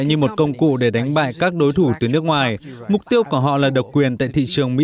như một công cụ để đánh bại các đối thủ từ nước ngoài mục tiêu của họ là độc quyền tại thị trường mỹ